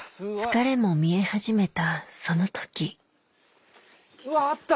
疲れも見え始めたその時うわあった！